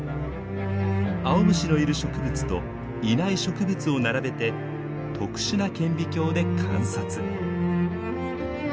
アオムシのいる植物といない植物を並べて特殊な顕微鏡で観察。